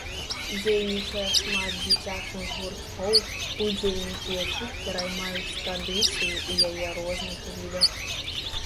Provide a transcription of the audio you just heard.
Дзейнічае шмат дзіцячых гурткоў, удзельнікі якіх пераймаюць традыцыю ў яе розных відах.